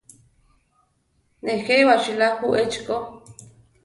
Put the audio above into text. Nejé baʼchíla ju echi ko.